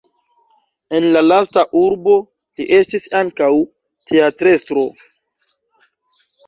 En la lasta urbo li estis ankaŭ teatrestro.